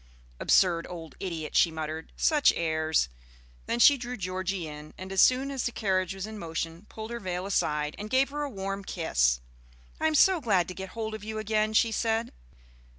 "Absurd old idiot!" she muttered. "Such airs!" Then she drew Georgie in, and as soon as the carriage was in motion pulled her veil aside and gave her a warm kiss. "I am so glad to get hold of you again!" she said.